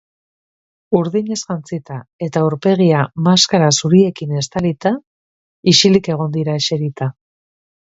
Urdinez jantzita, eta aurpegia maskara zuriekin estalita, isilik egon dira eserita.